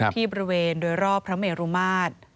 บริเวณโดยรอบพระเมรุมาตร